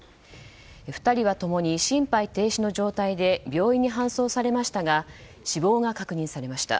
２人は共に心肺停止の状態で病院に搬送されましたが死亡が確認されました。